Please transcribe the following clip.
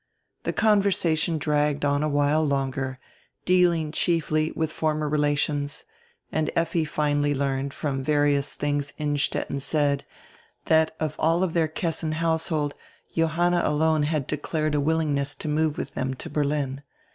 The conversation dragged on a while longer, dealing chiefly widi former relations, and Effi finally learned, from various tilings Innstetten said, diat of all dieir Kessin household Johanna alone had declared a willingness to move widi diem to Berlin.